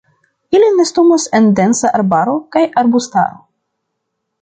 Ili nestumas en densa arbaro kaj arbustaro.